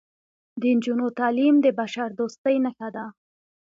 د نجونو تعلیم د بشردوستۍ نښه ده.